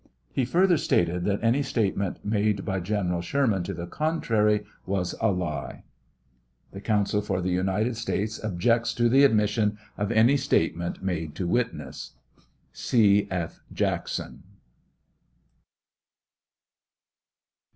He further stated that any statement made by General Sherman to the contrary was a lie. [The counsel for the United States objects to the ad mission of any statement made to witness.] C. F. JACKSON.